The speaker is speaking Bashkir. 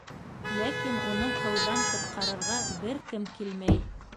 Ләкин уны һыуҙан ҡотҡарырға бер кем килмәй.